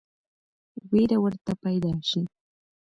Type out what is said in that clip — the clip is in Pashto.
وېره ورته پیدا شي.